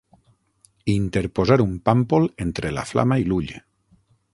Interposar un pàmpol entre la flama i l'ull.